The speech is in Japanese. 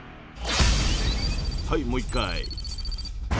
はいもう一回！